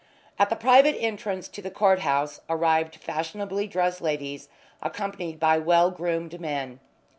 At the private entrance to the courthouse arrived fashionably dressed ladies accompanied by well groomed men.